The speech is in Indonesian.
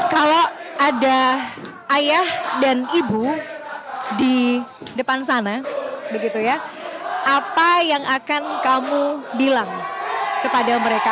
kalau ada ayah dan ibu di depan sana apa yang akan kamu bilang kepada mereka